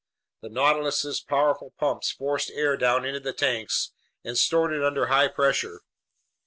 The Nautilus's powerful pumps forced air down into the tanks and stored it under high pressure.